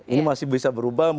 ini masih bisa berubah